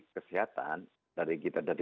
kesehatan dari kita dari